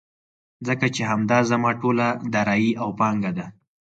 ځکه چې همدا زما ټوله دارايي او پانګه ده.